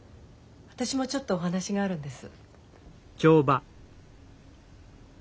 私もちょっとお話があるんです。